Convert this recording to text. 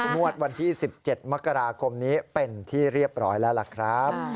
งวดวันที่๑๗มกราคมนี้เป็นที่เรียบร้อยแล้วล่ะครับ